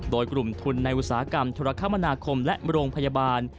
โดยกลุ่มทุนในอุตสาหกรรมธุรกรรมนาคมและโรงพยาบาล